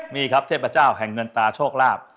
นี่ครับเทพเจ้าแห่งเงินตาโชคลาภ